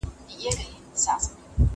نکاح به هم صحيحه وي او فاسده به نه وي.